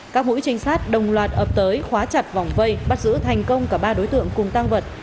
các mũi trinh sát đồng loạt ập tới khóa chặt vòng vây bắt giữ thành công cả ba đối tượng cùng tăng vật